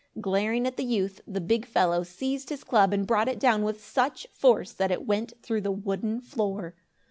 Glaring at the youth, the big fellow seized his club and brought it down with such force that it went through the wooden floor.